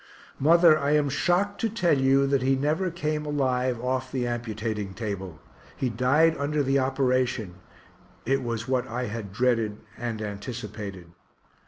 Mother, I am shocked to tell you that he never came alive off the amputating table he died under the operation it was what I had dreaded and anticipated.